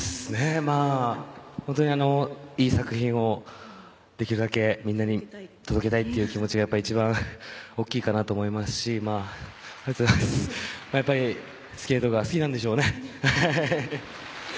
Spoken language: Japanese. いい作品を、できるだけみんなに届けたいという気持ちが一番大きいかなと思いますしやっぱりスケートが好きなんでしょうね。